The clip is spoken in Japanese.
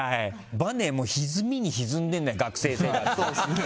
ばねもひずみにひずんでんだよ学生時代。